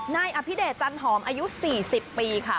นายอภิเดชจันหอมอายุ๔๐ปีค่ะ